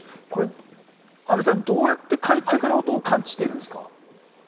安倍さん、どうやって海中から音を感知してるんですか？